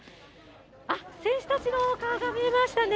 あっ、選手たちのお顔が見えましたね。